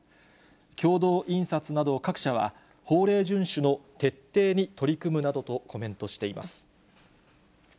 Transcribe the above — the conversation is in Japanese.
共同印刷など各社は、法令順守の徹底に取り組むなどとコメントしています。